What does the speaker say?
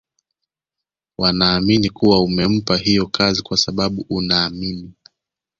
wanaamini kuwa umempa hiyo kazi kwa sababu unaamini